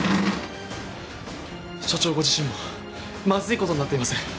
署長ご自身もまずいことになっています。